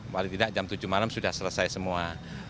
paling tidak jam tujuh malam sudah selesai semua